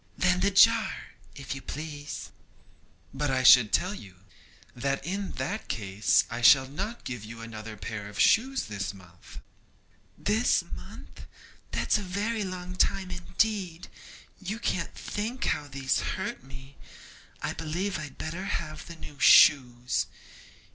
'Then the jar, if you please.' 'But I should tell you, that in that case I shall not give you another pair of shoes this month.' 'This month! that's a very long time indeed! You can't think how these hurt me. I believe I'd better have the new shoes.